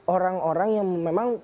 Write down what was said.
orang orang yang memang